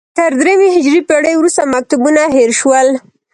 تر درېیمې هجري پېړۍ وروسته مکتبونه هېر شول